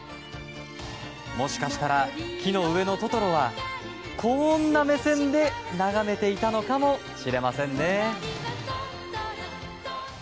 もしかしたら木の上のトトロは、こんな目線で眺めていたのかもしれませんね。